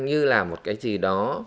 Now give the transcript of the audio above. như là một cái gì đó